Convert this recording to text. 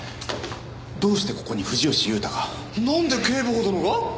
どうしてここに藤吉祐太が。なんで警部補殿が！？